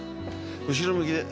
後ろ向きで。